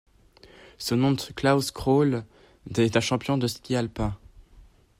Son oncle Klaus Kröll est un champion de ski alpin.